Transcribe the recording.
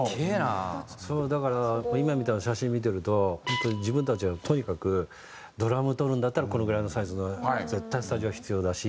だから今みたいな写真見てると本当に自分たちはとにかくドラムとるんだったらこのぐらいのサイズの絶対スタジオは必要だし。